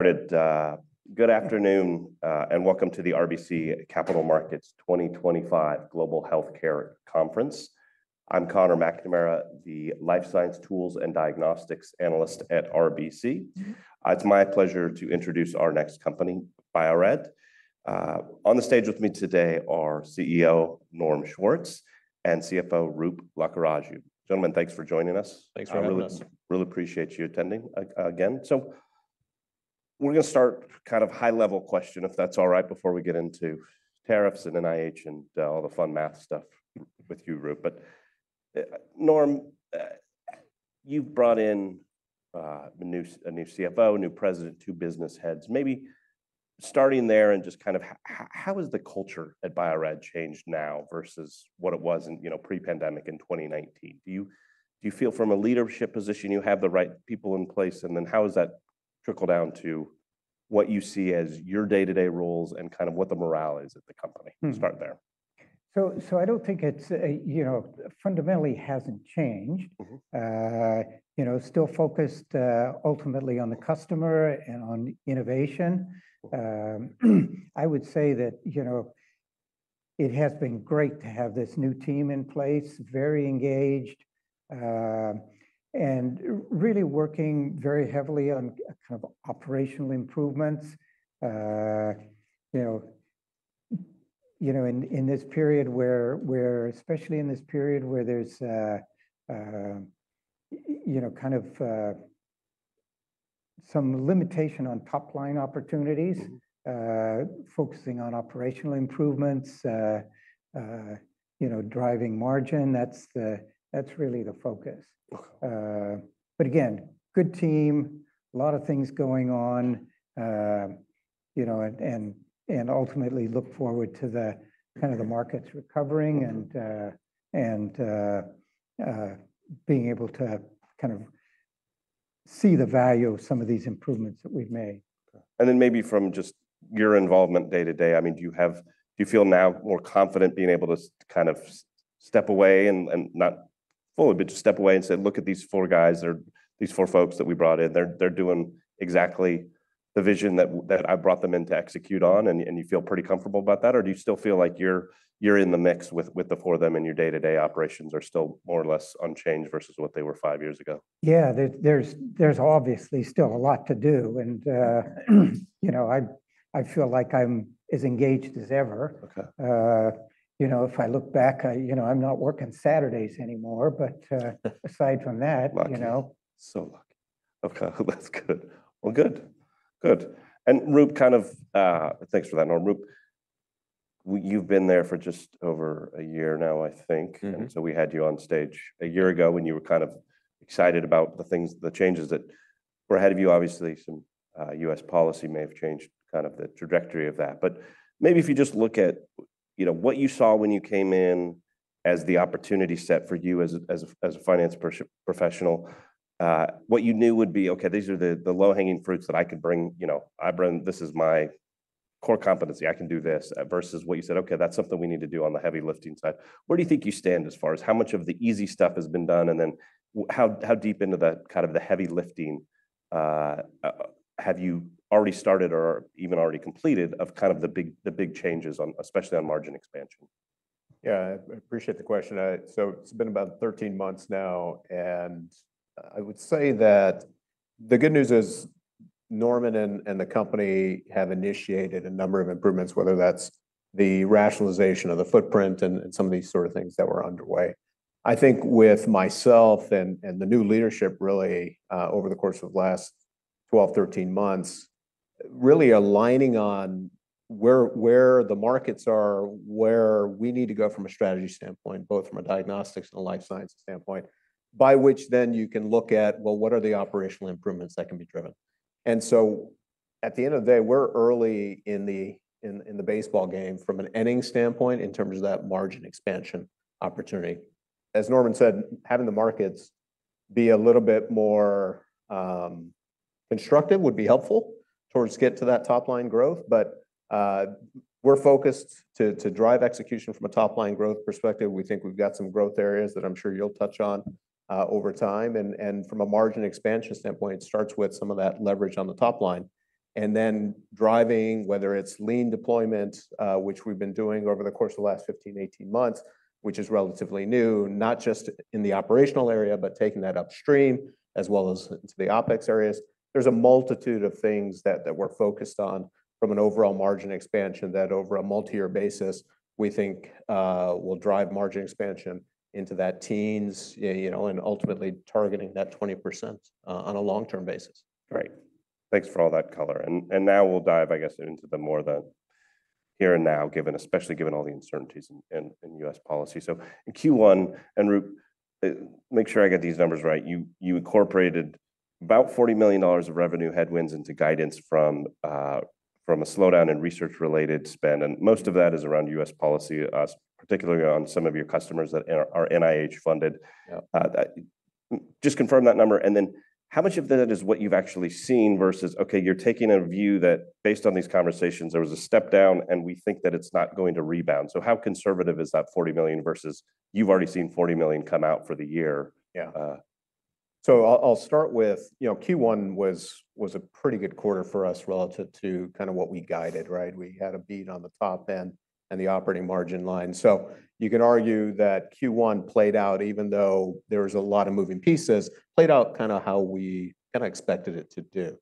Good afternoon and welcome to the RBC Capital Markets 2025 Global Healthcare Conference. I'm Connor McNamara, the Life Science Tools and Diagnostics Analyst at RBC. It's my pleasure to introduce our next company, Bio-Rad. On the stage with me today are CEO Norm Schwartz and CFO Roop Lakkaraju. Gentlemen, thanks for joining us. Thanks for having us. Really appreciate you attending again. We're going to start with a kind of high-level question, if that's all right, before we get into tariffs and NIH and all the fun math stuff with you, Roop. Norm, you've brought in a new CFO, new president, two business heads. Maybe starting there and just kind of how has the culture at Bio-Rad changed now versus what it was pre-pandemic in 2019? Do you feel from a leadership position you have the right people in place? How has that trickled down to what you see as your day-to-day roles and kind of what the morale is at the company? Start there. I don't think it fundamentally hasn't changed. Still focused ultimately on the customer and on innovation. I would say that it has been great to have this new team in place, very engaged, and really working very heavily on kind of operational improvements. In this period, especially in this period where there's kind of some limitation on top-line opportunities, focusing on operational improvements, driving margin, that's really the focus. Again, good team, a lot of things going on, and ultimately look forward to kind of the markets recovering and being able to kind of see the value of some of these improvements that we've made. Maybe from just your involvement day-to-day, I mean, do you feel now more confident being able to kind of step away and not fully, but just step away and say, "Look at these four guys, these four folks that we brought in. They're doing exactly the vision that I brought them in to execute on," and you feel pretty comfortable about that? Or do you still feel like you're in the mix with the four of them and your day-to-day operations are still more or less unchanged versus what they were five years ago? Yeah, there's obviously still a lot to do. I feel like I'm as engaged as ever. If I look back, I'm not working Saturdays anymore. Aside from that. Luck. So lucky. Okay, that's good. Good. And Roop, kind of thanks for that. Roop, you've been there for just over a year now, I think. And we had you on stage a year ago when you were kind of excited about the changes that were ahead of you. Obviously, some U.S. policy may have changed kind of the trajectory of that. Maybe if you just look at what you saw when you came in as the opportunity set for you as a finance professional, what you knew would be, "Okay, these are the low-hanging fruits that I can bring. This is my core competency. I can do this," versus what you said, "Okay, that's something we need to do on the heavy lifting side." Where do you think you stand as far as how much of the easy stuff has been done? How deep into that kind of the heavy lifting have you already started or even already completed of kind of the big changes, especially on margin expansion? Yeah, I appreciate the question. It's been about 13 months now. I would say that the good news is Norman and the company have initiated a number of improvements, whether that's the rationalization of the footprint and some of these sort of things that were underway. I think with myself and the new leadership, really over the course of the last 12 months-13 months, really aligning on where the markets are, where we need to go from a strategy standpoint, both from a diagnostics and a life science standpoint, by which then you can look at, well, what are the operational improvements that can be driven? At the end of the day, we're early in the baseball game from an ending standpoint in terms of that margin expansion opportunity. As Norman said, having the markets be a little bit more constructive would be helpful towards getting to that top-line growth. We are focused to drive execution from a top-line growth perspective. We think we have got some growth areas that I am sure you will touch on over time. From a margin expansion standpoint, it starts with some of that leverage on the top line. Then driving, whether it is lean deployment, which we have been doing over the course of the last 15 months-18 months, which is relatively new, not just in the operational area, but taking that upstream as well as into the OpEx areas. There is a multitude of things that we are focused on from an overall margin expansion that over a multi-year basis, we think will drive margin expansion into that teens and ultimately targeting that 20% on a long-term basis. Great. Thanks for all that color. Now we'll dive, I guess, into more of the here and now, especially given all the uncertainties in U.S. policy. In Q1, and Roop, make sure I get these numbers right. You incorporated about $40 million of revenue headwinds into guidance from a slowdown in research-related spend. Most of that is around U.S. policy, particularly on some of your customers that are NIH funded. Just confirm that number. How much of that is what you've actually seen versus, okay, you're taking a view that based on these conversations, there was a step down and we think that it's not going to rebound. How conservative is that $40 million versus you've already seen $40 million come out for the year? Yeah. So I'll start with Q1 was a pretty good quarter for us relative to kind of what we guided, right? We had a beat on the top end and the operating margin line. You can argue that Q1 played out, even though there was a lot of moving pieces, played out kind of how we kind of expected it to do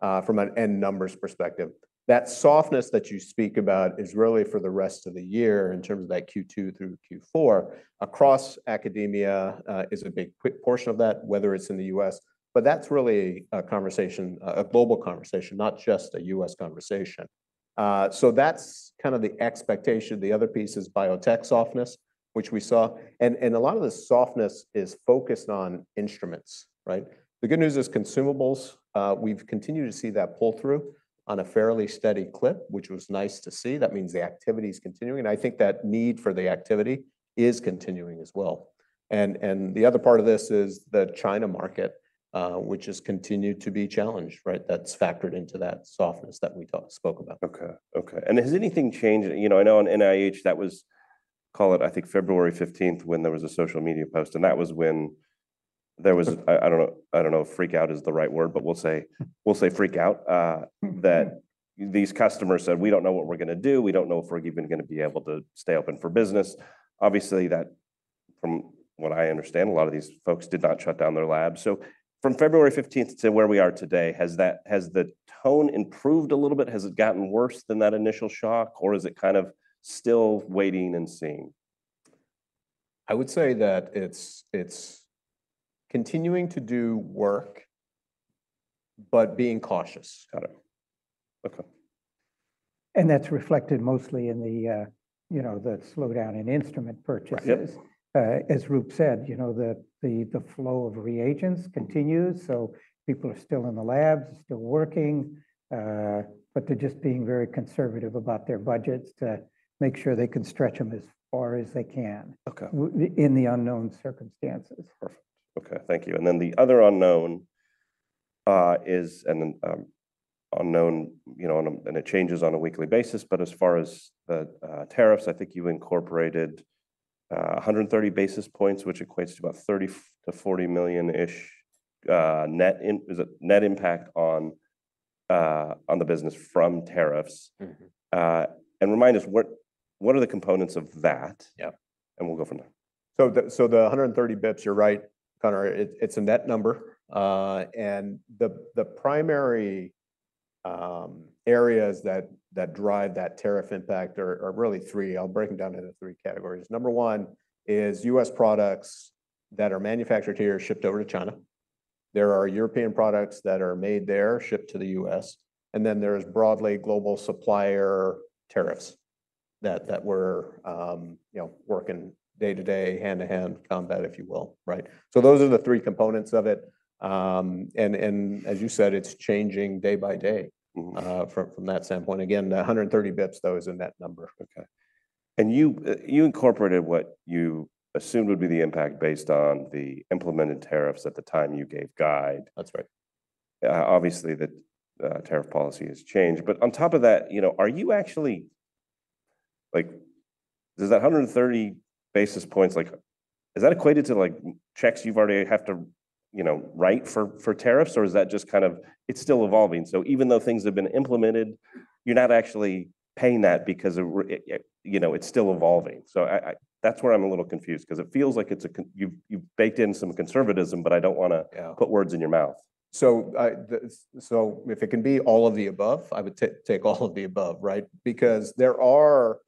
from an end numbers perspective. That softness that you speak about is really for the rest of the year in terms of that Q2 through Q4 across academia is a big portion of that, whether it's in the U.S. That is really a conversation, a global conversation, not just a U.S. conversation. That is kind of the expectation. The other piece is biotech softness, which we saw. A lot of the softness is focused on instruments, right? The good news is consumables. We've continued to see that pull through on a fairly steady clip, which was nice to see. That means the activity is continuing. I think that need for the activity is continuing as well. The other part of this is the China market, which has continued to be challenged, right? That's factored into that softness that we spoke about. Okay. Okay. Has anything changed? I know on NIH that was, call it, I think February 15th when there was a social media post. That was when there was, I do not know if freak out is the right word, but we will say freak out, that these customers said, "We do not know what we are going to do. We do not know if we are even going to be able to stay open for business." Obviously, from what I understand, a lot of these folks did not shut down their labs. From February 15th to where we are today, has the tone improved a little bit? Has it gotten worse than that initial shock? Is it kind of still waiting and seeing? I would say that it's continuing to do work, but being cautious. Got it. Okay. That is reflected mostly in the slowdown in instrument purchases. As Roop said, the flow of reagents continues. People are still in the labs, still working, but they are just being very conservative about their budgets to make sure they can stretch them as far as they can in the unknown circumstances. Perfect. Okay. Thank you. The other unknown is an unknown, and it changes on a weekly basis. As far as the tariffs, I think you incorporated 130 basis points, which equates to about $30 million-$40 million net impact on the business from tariffs. Remind us, what are the components of that? We will go from there. The 130 basis points, you're right, Connor. It's a net number. The primary areas that drive that tariff impact are really three. I'll break them down into three categories. Number one is U.S. products that are manufactured here are shipped over to China. There are European products that are made there, shipped to the U.S. Then there's broadly global supplier tariffs that we're working day-to-day, hand-to-hand combat, if you will, right? Those are the three components of it. As you said, it's changing day by day from that standpoint. Again, the 130 basis points, though, is a net number. Okay. You incorporated what you assumed would be the impact based on the implemented tariffs at the time you gave guide. That's right. Obviously, the tariff policy has changed. But on top of that, are you actually, does that 130 basis points, is that equated to checks you've already had to write for tariffs? Or is that just kind of, it's still evolving. So even though things have been implemented, you're not actually paying that because it's still evolving. That's where I'm a little confused because it feels like you've baked in some conservatism, but I don't want to put words in your mouth. If it can be all of the above, I would take all of the above, right? Because there are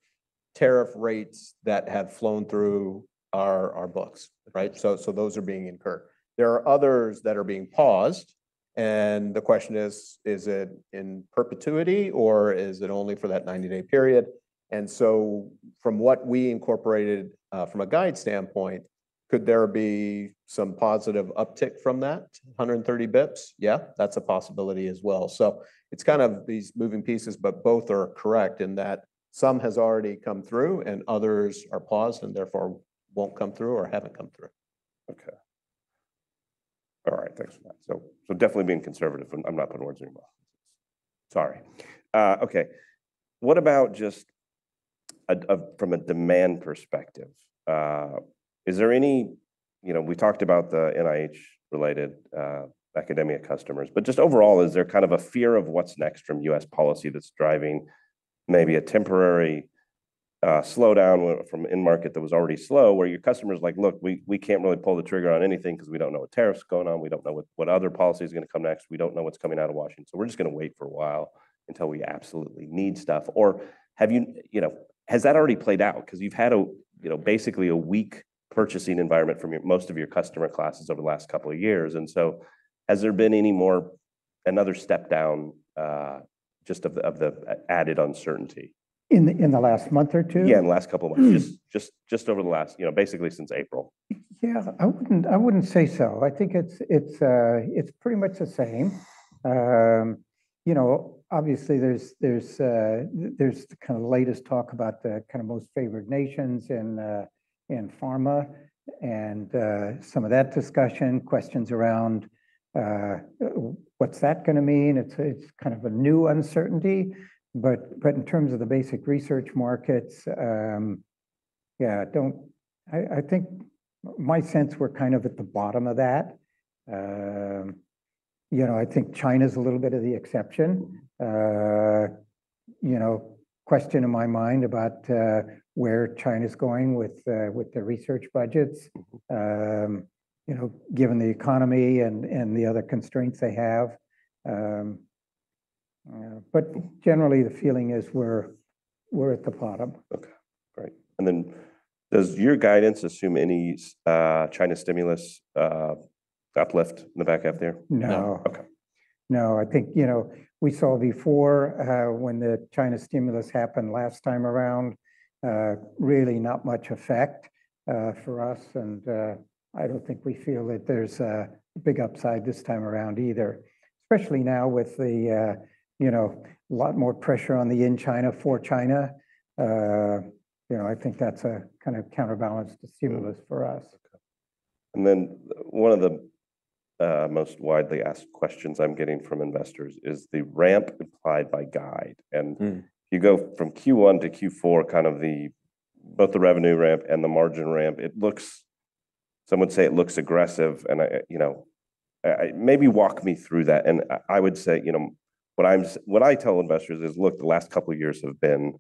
tariff rates that have flown through our books, right? Those are being incurred. There are others that are being paused. The question is, is it in perpetuity or is it only for that 90-day period? From what we incorporated from a guide standpoint, could there be some positive uptick from that 130 basis points? Yeah, that's a possibility as well. It is kind of these moving pieces, but both are correct in that some has already come through and others are paused and therefore will not come through or have not come through. Okay. All right. Thanks for that. So definitely being conservative. I'm not putting words in your mouth. Sorry. Okay. What about just from a demand perspective? Is there any we talked about the NIH-related academia customers, but just overall, is there kind of a fear of what's next from U.S. policy that's driving maybe a temporary slowdown from in-market that was already slow where your customer is like, "Look, we can't really pull the trigger on anything because we don't know what tariffs are going on. We don't know what other policy is going to come next. We don't know what's coming out of Washington. So we're just going to wait for a while until we absolutely need stuff." Or has that already played out? Because you've had basically a weak purchasing environment from most of your customer classes over the last couple of years. Has there been another step down just of the added uncertainty? In the last month or two? Yeah, in the last couple of months. Just over the last, basically since April. Yeah, I wouldn't say so. I think it's pretty much the same. Obviously, there's the kind of latest talk about the kind of most favored nations in pharma and some of that discussion, questions around what's that going to mean. It's kind of a new uncertainty. In terms of the basic research markets, yeah, I think my sense we're kind of at the bottom of that. I think China is a little bit of the exception. Question in my mind about where China is going with the research budgets, given the economy and the other constraints they have. Generally, the feeling is we're at the bottom. Okay. Great. Does your guidance assume any China stimulus uplift in the back half there? No. Okay. No. I think we saw before when the China stimulus happened last time around, really not much effect for us. I do not think we feel that there is a big upside this time around either, especially now with a lot more pressure on the in-China for China. I think that is a kind of counterbalance to stimulus for us. One of the most widely asked questions I'm getting from investors is the ramp implied by guide. If you go from Q1-Q4, kind of both the revenue ramp and the margin ramp, some would say it looks aggressive. Maybe walk me through that. I would say what I tell investors is, look, the last couple of years have been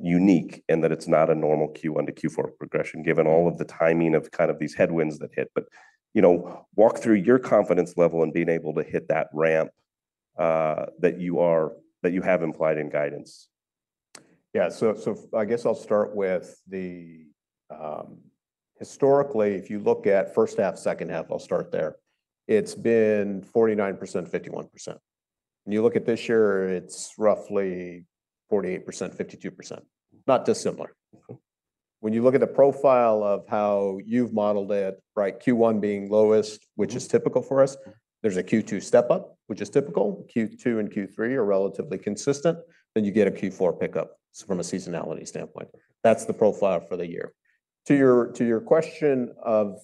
unique in that it's not a normal Q1-Q4 progression, given all of the timing of kind of these headwinds that hit. Walk through your confidence level in being able to hit that ramp that you have implied in guidance. Yeah. I guess I'll start with the historically, if you look at first half, second half, I'll start there. It's been 49%/51%. You look at this year, it's roughly 48%/52%. Not dissimilar. When you look at the profile of how you've modeled it, right, Q1 being lowest, which is typical for us, there's a Q2 step up, which is typical. Q2 and Q3 are relatively consistent. You get a Q4 pickup from a seasonality standpoint. That's the profile for the year. To your question of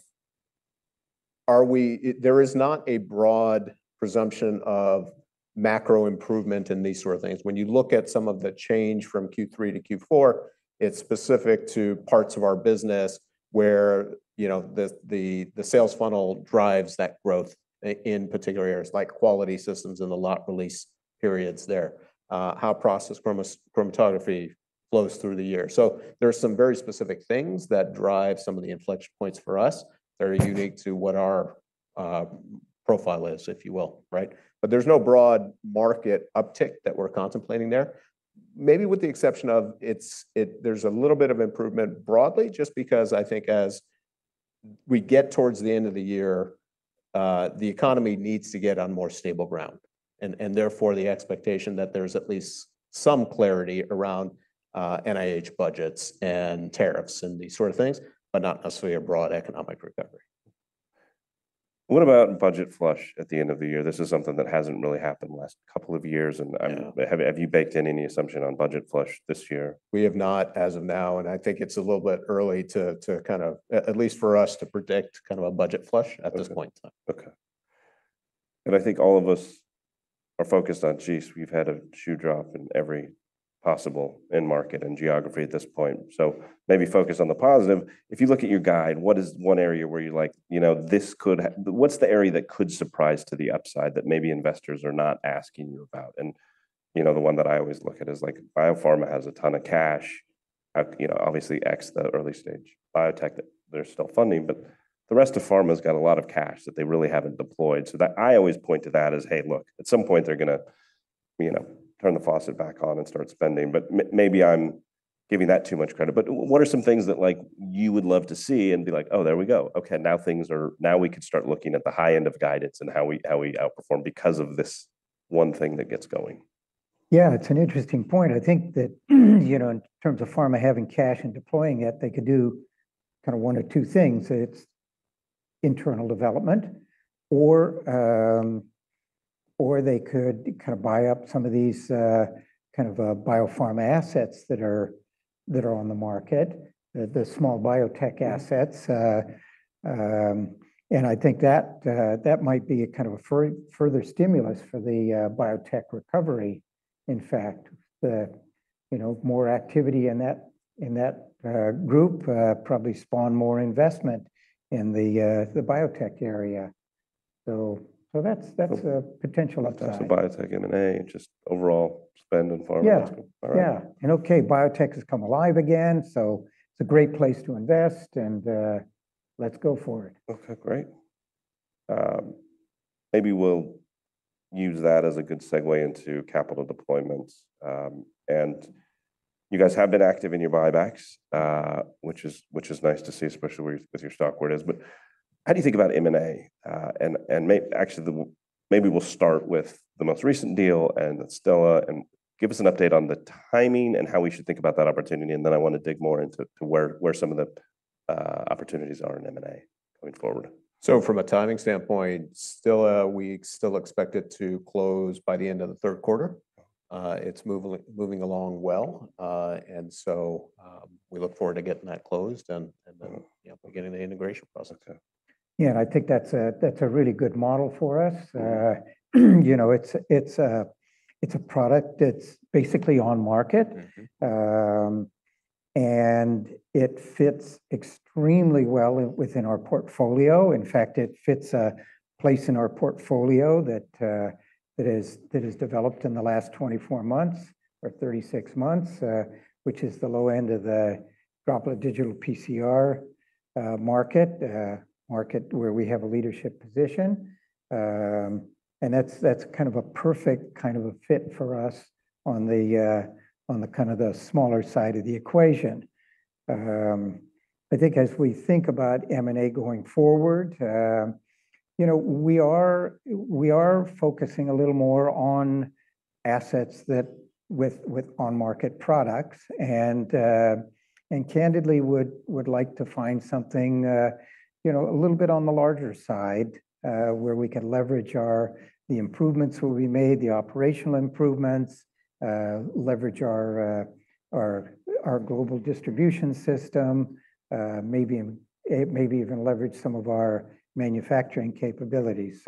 there is not a broad presumption of macro improvement in these sort of things. When you look at some of the change from Q3-Q4, it's specific to parts of our business where the sales funnel drives that growth in particular areas like quality systems and the lot release periods there, how process chromatography flows through the year. There are some very specific things that drive some of the inflection points for us that are unique to what our profile is, if you will, right? There is no broad market uptick that we're contemplating there. Maybe with the exception of there's a little bit of improvement broadly just because I think as we get towards the end of the year, the economy needs to get on more stable ground. Therefore, the expectation that there's at least some clarity around NIH budgets and tariffs and these sort of things, but not necessarily a broad economic recovery. What about budget flush at the end of the year? This is something that hasn't really happened the last couple of years. Have you baked in any assumption on budget flush this year? We have not as of now. I think it's a little bit early to kind of, at least for us, to predict kind of a budget flush at this point in time. Okay. I think all of us are focused on, geez, we've had a shoe drop in every possible in-market and geography at this point. Maybe focus on the positive. If you look at your guide, what is one area where you're like, this could, what's the area that could surprise to the upside that maybe investors are not asking you about? The one that I always look at is biopharma has a ton of cash, obviously ex the early stage biotech that they're still funding, but the rest of pharma has got a lot of cash that they really haven't deployed. I always point to that as, hey, look, at some point, they're going to turn the faucet back on and start spending. Maybe I'm giving that too much credit. What are some things that you would love to see and be like, oh, there we go. Okay. Now we could start looking at the high end of guidance and how we outperform because of this one thing that gets going. Yeah, it's an interesting point. I think that in terms of pharma having cash and deploying it, they could do kind of one or two things. It's internal development, or they could kind of buy up some of these kind of biopharma assets that are on the market, the small biotech assets. I think that might be a kind of a further stimulus for the biotech recovery. In fact, more activity in that group probably spawned more investment in the biotech area. That's a potential upside. Biotech M&A, just overall spend on pharma. Yeah. Yeah. Okay, biotech has come alive again. It is a great place to invest. Let's go for it. Okay. Great. Maybe we'll use that as a good segue into capital deployments. You guys have been active in your buybacks, which is nice to see, especially with your stock where it is. How do you think about M&A? Actually, maybe we'll start with the most recent deal and Stilla and give us an update on the timing and how we should think about that opportunity. I want to dig more into where some of the opportunities are in M&A going forward. From a timing standpoint, Stilla, we still expect it to close by the end of the third quarter. It's moving along well. We look forward to getting that closed and beginning the integration process. Yeah. I think that's a really good model for us. It's a product that's basically on market. It fits extremely well within our portfolio. In fact, it fits a place in our portfolio that has developed in the last 24 months or 36 months, which is the low end of the Droplet Digital PCR market, a market where we have a leadership position. That's kind of a perfect kind of fit for us on the smaller side of the equation. I think as we think about M&A going forward, we are focusing a little more on assets with on-market products. Candidly, we would like to find something a little bit on the larger side where we can leverage the improvements that will be made, the operational improvements, leverage our global distribution system, maybe even leverage some of our manufacturing capabilities.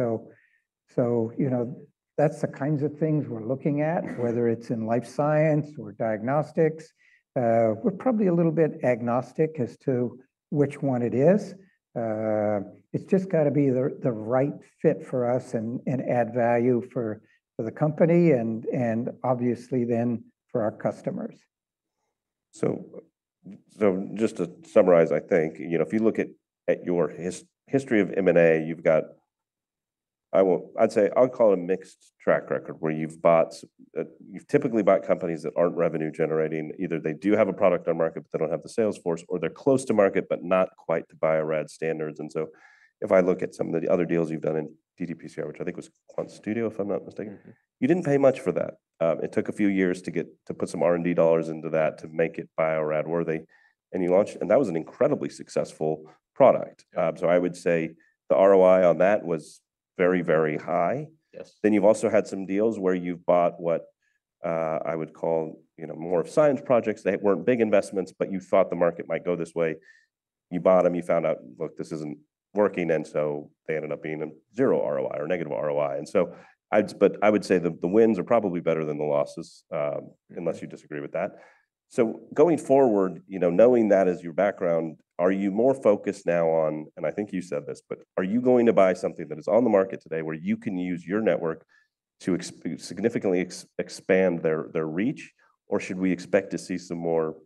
That's the kinds of things we're looking at, whether it's in life science or diagnostics. We're probably a little bit agnostic as to which one it is. It's just got to be the right fit for us and add value for the company and obviously then for our customers. Just to summarize, I think if you look at your history of M&A, you've got, I'd say I'll call it a mixed track record where you've typically bought companies that aren't revenue-generating. Either they do have a product on market, but they don't have the sales force, or they're close to market, but not quite to Bio-Rad standards. If I look at some of the other deals you've done in ddPCR, which I think was QuantStudio, if I'm not mistaken, you didn't pay much for that. It took a few years to put some R&D dollars into that to make it Bio-Rad worthy. That was an incredibly successful product. I would say the ROI on that was very, very high. You've also had some deals where you've bought what I would call more of science projects. They were not big investments, but you thought the market might go this way. You bought them, you found out, look, this is not working. They ended up being a zero ROI or negative ROI. I would say the wins are probably better than the losses unless you disagree with that. Going forward, knowing that as your background, are you more focused now on, and I think you said this, but are you going to buy something that is on the market today where you can use your network to significantly expand their reach, or should we expect to see some more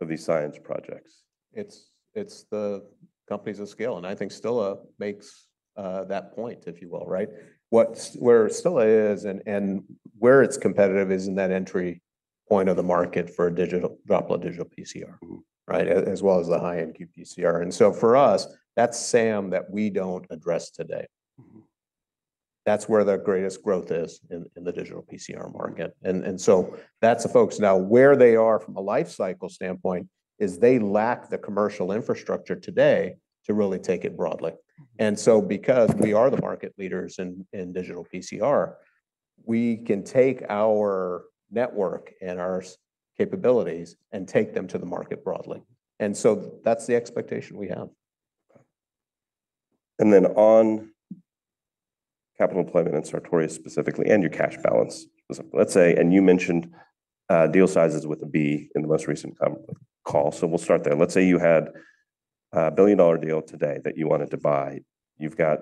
of these science projects? It's the companies of scale. I think Stilla makes that point, if you will, right? Where Stilla is and where it's competitive is in that entry point of the market for Droplet Digital PCR, right, as well as the high-end qPCR. For us, that's SAM that we don't address today. That's where the greatest growth is in the digital PCR market. That's the folks. Now, where they are from a life cycle standpoint is they lack the commercial infrastructure today to really take it broadly. Because we are the market leaders in digital PCR, we can take our network and our capabilities and take them to the market broadly. That's the expectation we have. On capital deployment and Sartorius specifically and your cash balance, let's say, and you mentioned deal sizes with a B in the most recent call. We'll start there. Let's say you had a $1 billion deal today that you wanted to buy. You've got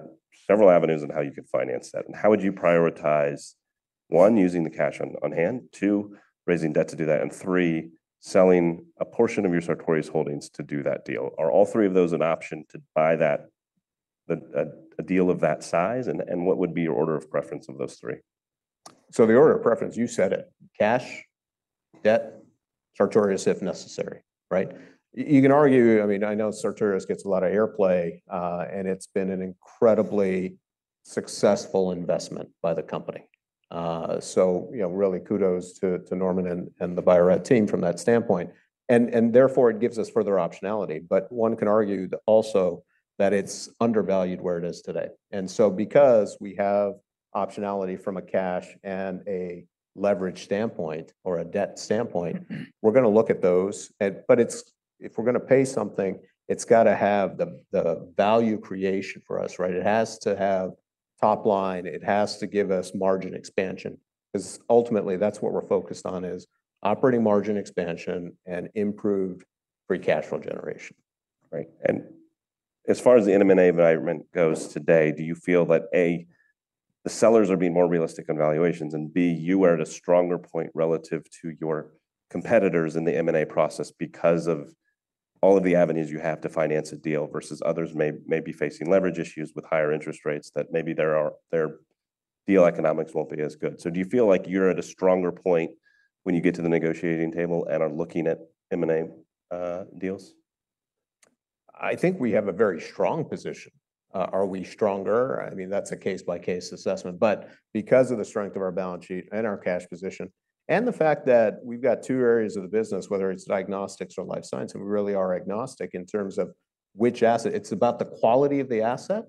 several avenues on how you could finance that. How would you prioritize, one, using the cash on hand, two, raising debt to do that, and three, selling a portion of your Sartorius holdings to do that deal? Are all three of those an option to buy a deal of that size? What would be your order of preference of those three? The order of preference, you said it, cash, debt, Sartorius if necessary, right? You can argue, I mean, I know Sartorius gets a lot of airplay, and it's been an incredibly successful investment by the company. Really kudos to Norm and the Bio-Rad team from that standpoint. Therefore, it gives us further optionality. One can argue also that it's undervalued where it is today. Because we have optionality from a cash and a leverage standpoint or a debt standpoint, we're going to look at those. If we're going to pay something, it's got to have the value creation for us, right? It has to have top line. It has to give us margin expansion. Ultimately, that's what we're focused on is operating margin expansion and improved free cash flow generation, right? As far as the M&A environment goes today, do you feel that, A, the sellers are being more realistic on valuations, and B, you are at a stronger point relative to your competitors in the M&A process because of all of the avenues you have to finance a deal versus others may be facing leverage issues with higher interest rates that maybe their deal economics will not be as good? Do you feel like you are at a stronger point when you get to the negotiating table and are looking at M&A deals? I think we have a very strong position. Are we stronger? I mean, that's a case-by-case assessment. Because of the strength of our balance sheet and our cash position and the fact that we've got two areas of the business, whether it's diagnostics or life science, and we really are agnostic in terms of which asset, it's about the quality of the asset.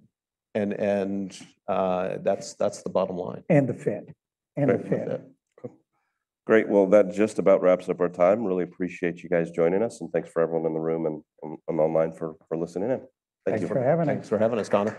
That's the bottom line. The fit. Great. That just about wraps up our time. Really appreciate you guys joining us. Thanks for everyone in the room and online for listening in. Thank you for having us. Thanks for having us, Connor.